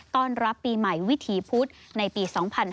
ต้อนรับปีใหม่วิถีพุธในปี๒๕๕๙